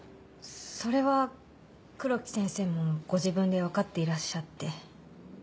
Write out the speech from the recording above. それは黒木先生もご自分で分かっていらっしゃって。